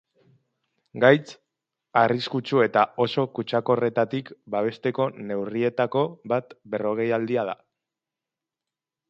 Gaitz arriskutsu eta oso kutsakorretatik babesteko neurrietako bat berrogeialdia da.